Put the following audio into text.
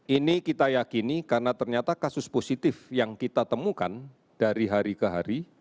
ini kita yakini karena ternyata kasus positif yang kita temukan dari hari ke hari